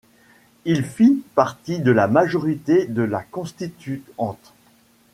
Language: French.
Il fit partie de la majorité de la Constituante.